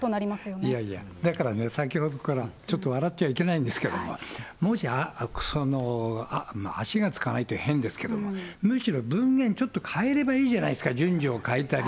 いやいや、だからね、先ほどから、ちょっと笑っちゃいけないんですけれども、もし、足がつかないって言うと変ですけどもね、むしろ文面、ちょっと変えればいいじゃないですか、順序を変えたり。